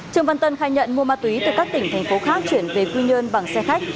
trương văn tân khai nhận mua ma túy từ các tỉnh thành phố khác chuyển về quy nhơn bằng xe khách